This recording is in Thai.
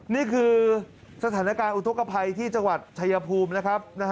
นี่คือสถานการณ์อุทธกภัยที่จังหวัดชายภูมินะครับ